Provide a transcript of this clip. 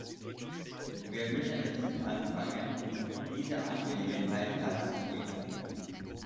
Wir müssen jetzt anfangen, diese Angelegenheit ernst zu nehmen.